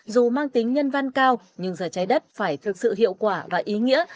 dù mang tính nhân văn cao nhưng giờ trái đất phải thực sự hiệu quả và ý nghĩa